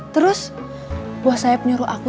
terus buah sayap nyuruh aku